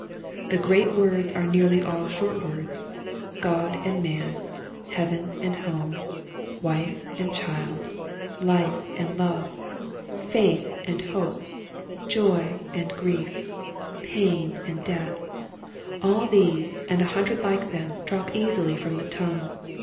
The great words are nearly all short words, God and man, heaven and home, wife and child, life and love, faith and hope, joy and grief, pain and death, all these and a hundred Hke them drop easily from the tongue.